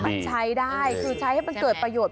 มันใช้ได้คือใช้ให้มันเกิดประโยชน